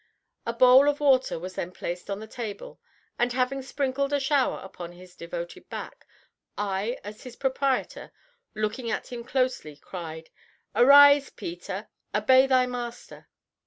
A bowl of water was then placed on the table and, having sprinkled a shower upon his devoted back, I as his proprietor, looking at him closely, cried: "Arise, Peter; obey thy master."